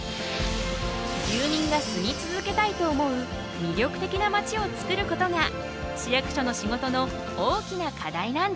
住民が住み続けたいと思う魅力的なまちをつくることが市役所の仕事の大きな課題なんだ。